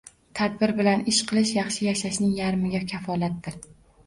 Tadbir bilan ish qilish yaxshi yashashning yarmiga kafolatdir.